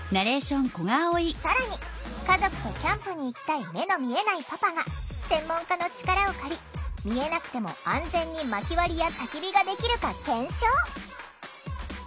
更に家族とキャンプに行きたい目の見えないパパが専門家の力を借り見えなくても安全に「まき割り」や「たき火」ができるか検証！